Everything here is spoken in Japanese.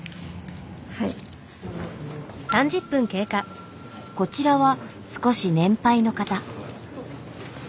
こちらは少し年配の方。